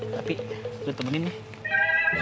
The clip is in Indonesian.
tapi gue temenin ya